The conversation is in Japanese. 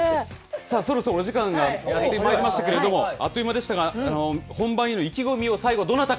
さあ、そろそろお時間がまいりましたけれども、あっという間でしたが本番への意気込みを最後どなたか。